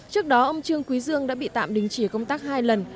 trước đó ông trương quý dương đã bị tạm đình chỉ công tác hai lần